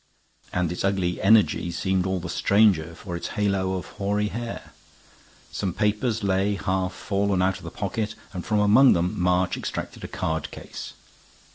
And its ugly energy seemed all the stranger for its halo of hoary hair. Some papers lay half fallen out of the pocket, and from among them March extracted a card case.